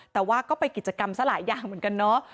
แต่ว่าก็ไปกิจกรรมซะหลายอย่างเหมือนกันเนาะ